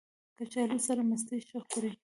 کچالو سره مستې ښه خوري